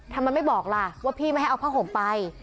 ทำไมไม่บอกล่ะว่าพี่ไม่ให้เอาผ้าห่มไป